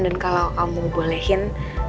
dan kalau kamu bolehin